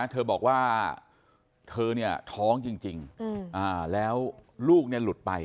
เธอบอกว่าเธอเนี่ยท้องจริงแล้วลูกเนี่ยหลุดไป